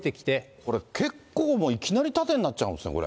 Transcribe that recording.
これ、結構、いきなり縦になっちゃうんですね、これ。